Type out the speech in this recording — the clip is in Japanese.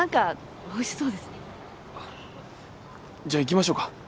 じゃあ行きましょうか。